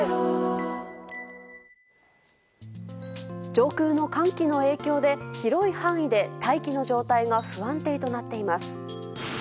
上空の寒気の影響で広い範囲で大気の状態が不安定となっています。